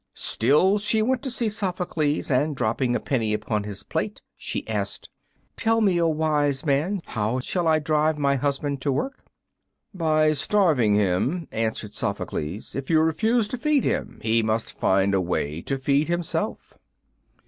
Still, she went to see Sophocles, and, dropping a penny upon his plate, she asked, "Tell me, O wise man, how shall I drive my husband to work?" "By starving him," answered Sophocles; "if you refuse to feed him he must find a way to feed himself."